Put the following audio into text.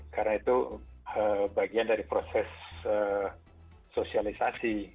karena itu bagian dari proses sosialisasi